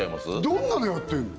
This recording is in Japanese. どんなのやってんの？